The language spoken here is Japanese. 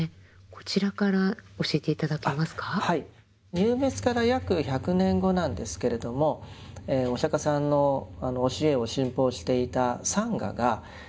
入滅から約１００年後なんですけれどもお釈迦さんの教えを信奉していたサンガが２つに分かれます。